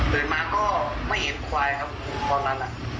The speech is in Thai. เดินมาก็ไม่เห็นควายครับตอนนั้น